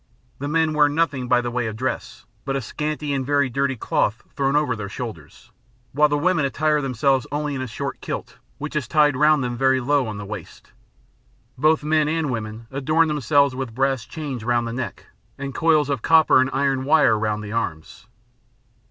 The men wear nothing in the way of dress but a scanty and very dirty cloth thrown over the shoulders, while the women attire themselves only in a short kilt which is tied round them very low at the waist. Both men and women adorn themselves with brass chains round the neck and coils of copper and iron wire round the arms.